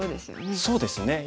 そうですよね。